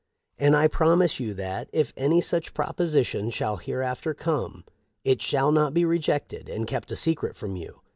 And I promise you that, if any such proposition shall hereafter come, it shall not be rejected and kept a secret from you.